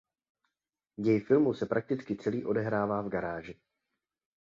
Děj filmu se prakticky celý odehrává v garáži.